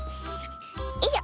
よいしょ！